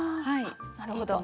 なるほど。